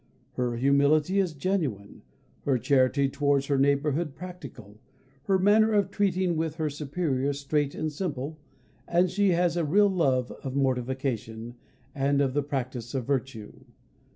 Her humility is genuine, her charity towards her neighbour practical, her manner of treating with her Superiors straight and simple, and she has a real love of mortification, and of the practice of virtue.